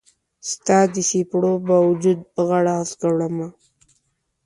ستا د څیپړو با وجود به غاړه هسکه وړمه